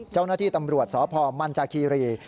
เจ้าหน้าที่ตำรวจสพมันจาคีรี